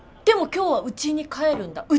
でも今日はうちに帰るんだ？